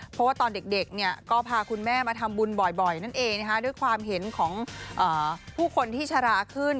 เพราะว่าตอนเด็กก็พาคุณแม่มาทำบุญบ่อยนั่นเองด้วยความเห็นของผู้คนที่ชะลาขึ้น